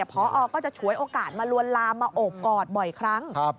พอก็จะฉวยโอกาสมาลวนลามมาโอบกอดบ่อยครั้ง